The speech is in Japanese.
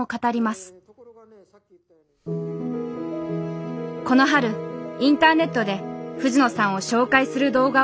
この春インターネットで藤野さんを紹介する動画を公開。